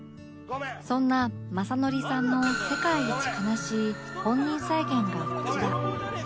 そんな雅紀さんの世界一悲しい本人再現がこちら